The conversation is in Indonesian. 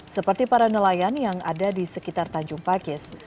seperti para nelayan yang ada di sekitar tanjung pakis